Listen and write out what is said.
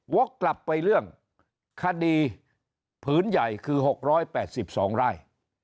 ว่ากลับไปเลยเรื่องคดีผืนใหญ่คือ๖๘๒ร่าย